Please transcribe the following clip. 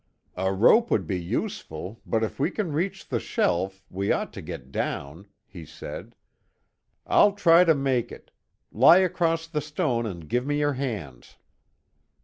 "A rope would be useful, but if we can reach the shelf, we ought to get down," he said. "I'll try to make it. Lie across the stone and give me your hands."